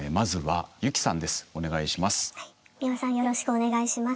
美輪さんよろしくお願いします。